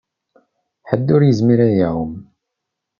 Ḥedd ur yezmir ad iɛum.